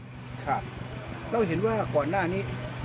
เราเห็นว่าก่อนหน้านี้